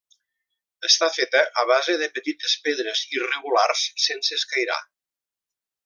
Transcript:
Està feta a base de petites pedres irregulars sense escairar.